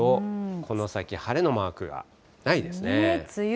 この先晴れのマークがないですね。